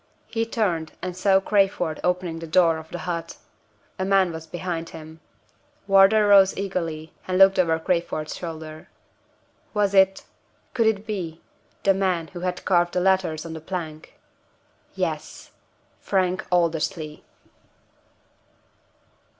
He turned, and saw Crayford opening the door of the hut. A man was behind him. Wardour rose eagerly, and looked over Crayford's shoulder. Was it could it be the man who had carved the letters on the plank? Yes! Frank Aldersley!